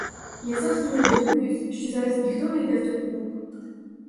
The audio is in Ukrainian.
Я зовсім не дивуюсь, що зараз ніхто не йде в той клуб.